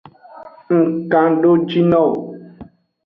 Ng kandejinowo.